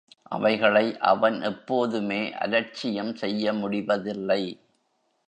அவைகளை அவன் எப்போதுமே அலட்சியம் செய்ய முடிவதில்லை.